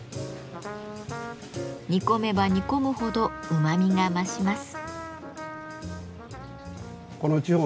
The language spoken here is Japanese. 煮込めば煮込むほどうまみが増します。